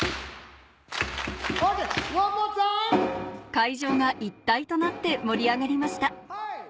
会場が一体となって盛り上がりました